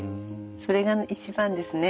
それが一番ですね。